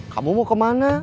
kamu mau kemana